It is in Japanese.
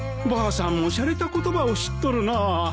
ばあさんもしゃれた言葉を知っとるな。